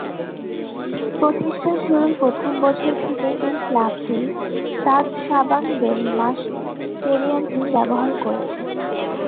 প্রতিষ্ঠার শুরুর প্রথম বছর থেকেই এই ক্লাবটি স্তাদ শাবান-দেলমাস স্টেডিয়ামটি ব্যবহার করেছে।